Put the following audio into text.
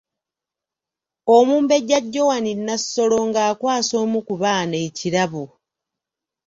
Omumbejja Joan Nassolo nga akwasa omu ku baana ekirabo.